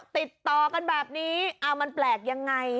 ติดต่อกันแบบนี้มันแปลกยังไง